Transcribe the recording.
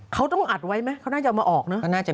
เขาต้องอัดไว้มาน่าจะเอาออกนะ